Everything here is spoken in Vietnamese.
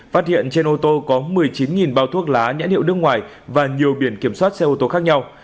phát hiện trên ô tô có một mươi chín bao thuốc lá nhãn hiệu nước ngoài và nhiều biển kiểm soát xe ô tô khác nhau